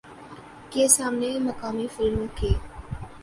کے سامنے مقامی فلموں کے